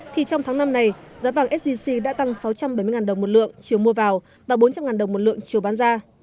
thì trong tháng năm này giá vàng sgc đã tăng sáu trăm bảy mươi đồng một lượng chiều mua vào và bốn trăm linh đồng một lượng chiều bán ra